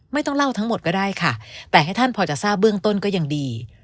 ไม่ต้องเล่าทั้งหมดก็ได้ค่ะแต่ให้ท่านพอจะทราบเบื้องต้นก็ยังดี